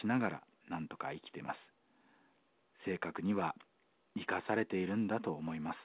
正確には生かされているんだと思います。